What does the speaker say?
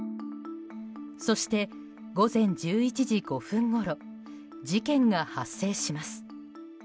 そして午前１１時５分ごろ事件が発生します。